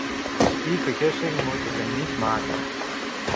Die vergissing moeten we niet maken.